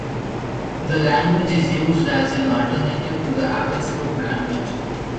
The language is used as an alternative to the AppleScript language.